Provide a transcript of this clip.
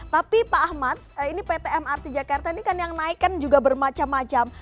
tapi pak ahmad ini pt mrt jakarta ini kan yang naikkan juga bermacam macam